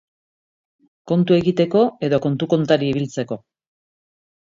Kontu egiteko edo kontu-kontari ibiltzeko?